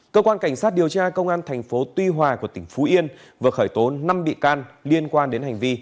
cơ quan cảnh sát điều tra công an thành phố tuy hòa của tỉnh phú yên vừa khởi tố năm bị can liên quan đến hành vi